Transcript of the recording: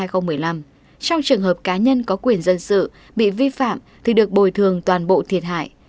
trong trường hợp cá nhân có quyền dân sự bị vi phạm thì được bồi thường toàn bộ thiệt hại